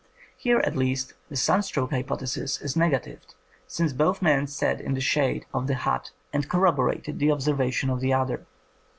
Here at least the sun stroke hypothesis is negatived, since both men sat in the shade of the hut and corroborated the observation of the other.